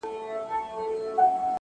له دغي خاوري مرغان هم ولاړل هجرت کوي;